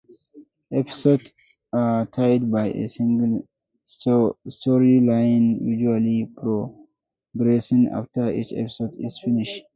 Episodes are tied by a single storyline usually progressing after each episode is finished.